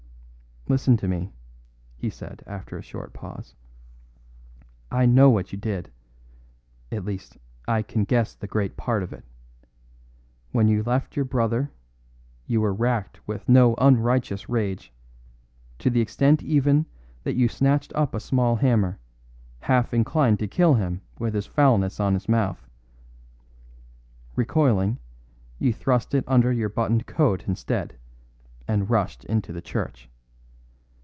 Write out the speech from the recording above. Listen to me," he said after a short pause. "I know what you did at least, I can guess the great part of it. When you left your brother you were racked with no unrighteous rage, to the extent even that you snatched up a small hammer, half inclined to kill him with his foulness on his mouth. Recoiling, you thrust it under your buttoned coat instead, and rushed into the church.